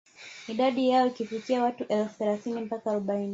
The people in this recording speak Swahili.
Idadi yao ilifikia watu elfu thelathini mpaka arobaini